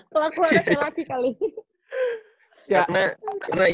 soalnya keluarannya kayak laki kali